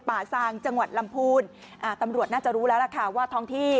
ซางจังหวัดลำพูนอ่าตำรวจน่าจะรู้แล้วล่ะค่ะว่าท้องที่